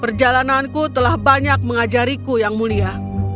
perjalananku telah banyak mengajariku yang mulia